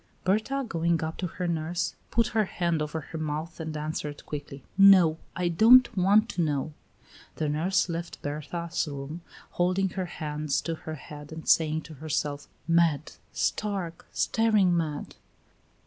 Berta, going up to her nurse, put her hand over her mouth and answered quickly: "No, I don't want to know." The nurse left Berta's room, holding her hands to her head and saying to herself: "Mad, stark, staring mad!"